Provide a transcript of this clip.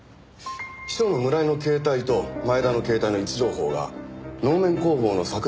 秘書の村井の携帯と前田の携帯の位置情報が能面工房の桜の木の下で数回一致してます。